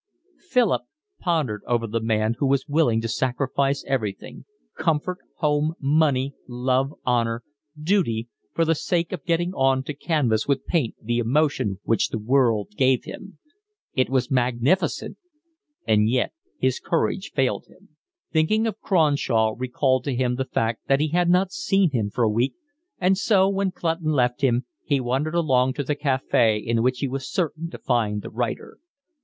Philip pondered over the man who was willing to sacrifice everything, comfort, home, money, love, honour, duty, for the sake of getting on to canvas with paint the emotion which the world gave him. It was magnificent, and yet his courage failed him. Thinking of Cronshaw recalled to him the fact that he had not seen him for a week, and so, when Clutton left him, he wandered along to the cafe in which he was certain to find the writer.